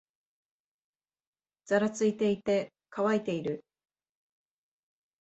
ざらついていて、乾いている